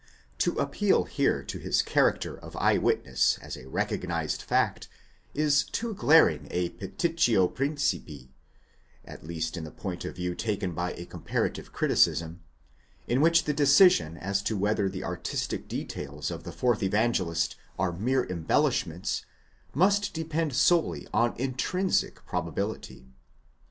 To appeal here to his character of eye witness as a recognized fact," is too glaring a petitio principit, at least in the point of view taken by a comparative criticism, in which the decision as to whether the artistic details of the fourth Evangelist are mere embellishments, must depend solely on intrinsic probability.